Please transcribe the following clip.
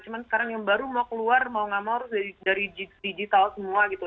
cuma sekarang yang baru mau keluar mau gak mau harus dari digital semua gitu